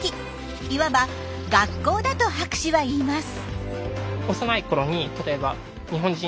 いわば「学校」だと博士は言います。